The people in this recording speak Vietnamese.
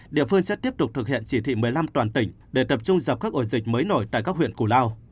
địa phương sẽ tiếp tục thực hiện chỉ thị một mươi năm toàn tỉnh để tập trung dập các ổ dịch mới nổi tại các huyện củ lao